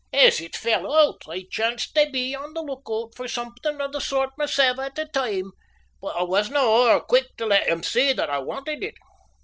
As it fell oot I chanced tae be on the look oot for something o' the sort mysel' at the time, but I wasna ower quick to let him see that I wanted it.